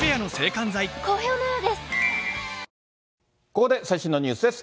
ここで最新のニュースです。